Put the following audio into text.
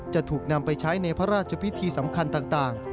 จะถูกนำไปใช้ในพระราชพิธีสำคัญต่าง